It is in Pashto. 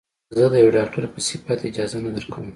زه د يوه ډاکتر په صفت اجازه نه درکم.